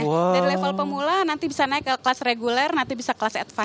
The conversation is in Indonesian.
dari level pemula nanti bisa naik ke kelas reguler nanti bisa kelas advice